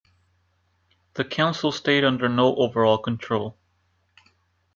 The council stayed under no overall control.